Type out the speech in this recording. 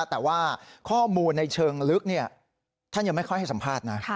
แต่ว่าข้อมูลในเชิงลึกท่านยังไม่ค่อยให้สัมภาษณ์นะ